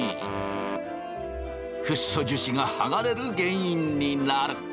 フッ素樹脂がはがれる原因になる。